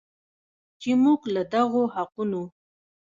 چې موږ له دغو حقونو